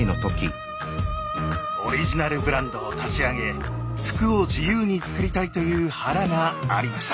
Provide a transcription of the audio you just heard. オリジナルブランドを立ち上げ服を自由に作りたいという腹がありました。